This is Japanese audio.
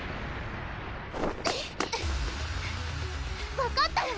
分かったよ！